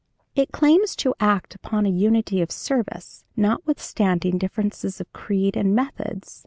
It claims to act upon a unity of service, notwithstanding differences of creed and methods.